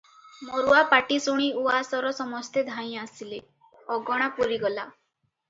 ମରୁଆ ପାଟି ଶୁଣି ଉଆସର ସମସ୍ତେ ଧାଇଁ ଆସିଲେ, ଅଗଣା ପୂରିଗଲା ।